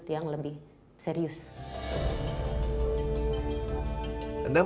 tapi yang lebih serius